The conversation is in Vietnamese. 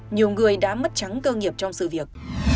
nhiều người đã mất trắng cơ nghiệp trong sự việc